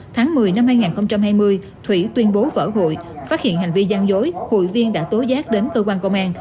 tháng một mươi năm hai nghìn hai mươi thủy tuyên bố vỡ hội phát hiện hành vi gian dối hội viên đã tố giác đến cơ quan công an